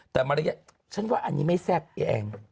แต่มารยาฉันว่าอันนี้ไม่แซ่บพี่แอง